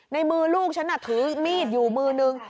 ในมือลูกฉันถือมีดอยู่มือนึง